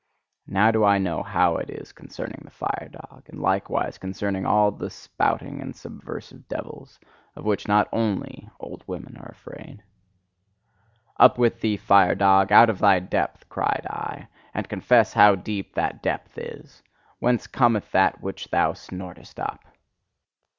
Now do I know how it is concerning the fire dog; and likewise concerning all the spouting and subversive devils, of which not only old women are afraid. "Up with thee, fire dog, out of thy depth!" cried I, "and confess how deep that depth is! Whence cometh that which thou snortest up?